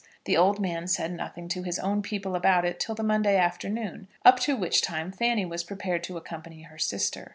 The old man said nothing to his own people about it till the Monday afternoon, up to which time Fanny was prepared to accompany her sister.